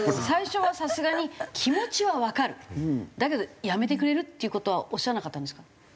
最初はさすがに気持ちはわかるだけどやめてくれるっていう事はおっしゃらなかったんですか？